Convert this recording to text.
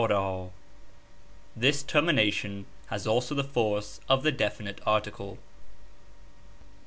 This termination has also the force of the definite article.